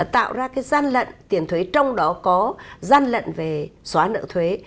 tạo ra cái gian lận tiền thuế trong đó có gian lận về xóa nợ thuế